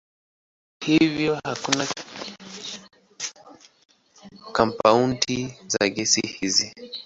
Hivyo hakuna kampaundi za gesi hizi.